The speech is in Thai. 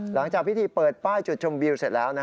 หลังจากพิธีเปิดป้ายจุดชมวิวเสร็จแล้ว